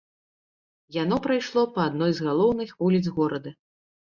Яно прайшло па адной з галоўных вуліц горада.